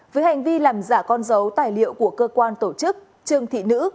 với hành vi làm giả con dấu tài liệu của cơ quan tổ chức trương thị nữ